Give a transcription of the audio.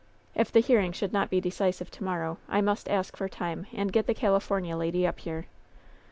If the hearing should not be decisive to morrow, I must ask for time and get the California lady up here.